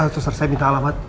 suster saya minta alamat